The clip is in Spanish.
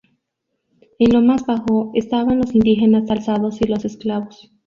En lo más bajo estaban los indígenas alzados y los esclavos.